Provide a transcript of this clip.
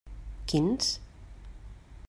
Quins?